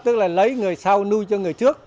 tức là lấy người sau nuôi cho người trước